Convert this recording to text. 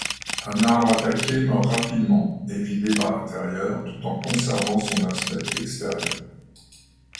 Un arbre attaqué meurt rapidement, évidé par l'intérieur, tout en conservant son aspect extérieur.